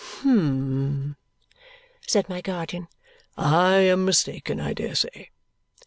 "Humph," said my guardian. "I am mistaken, I dare say."